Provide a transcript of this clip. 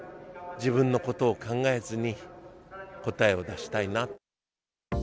自分のことを考えずに答えを出したいなと。